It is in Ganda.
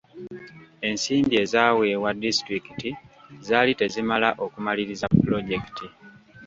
Ensimbi ezaaweebwa disitulikiti zaali tezimala okumaliriza pulojekiti.